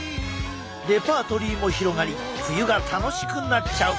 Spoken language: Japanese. レパートリーも広がり冬が楽しくなっちゃう！